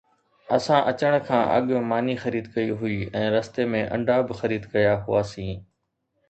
اسان اچڻ کان اڳ ماني خريد ڪئي هئي ۽ رستي ۾ انڊا به خريد ڪيا هئاسين